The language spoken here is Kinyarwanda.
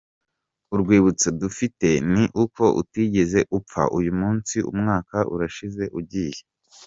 Urwibutso dufite ni uko utigeze upfa !! Uyu munsi umwaka urashize ugiye.